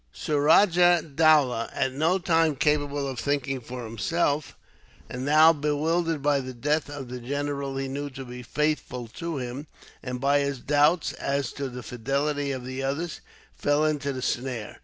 Suraja Dowlah, at no time capable of thinking for himself, and now bewildered by the death of the general he knew to be faithful to him, and by his doubts as to the fidelity of the others, fell into the snare.